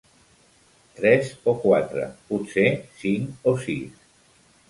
Tres o quatre, potser cinc o sis.